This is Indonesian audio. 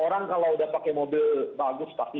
orang kalau udah pakai mobil bagus pasti